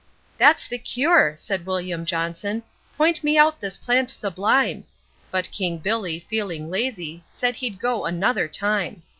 'That's the cure,' said William Johnson, 'point me out this plant sublime,' But King Billy, feeling lazy, said he'd go another time.